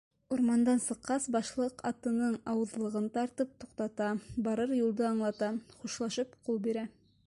Урмандан сыҡҡас, башлыҡ атының ауыҙлығын тартып туҡтата, барыр юлды аңлата, хушлашып ҡул бирә!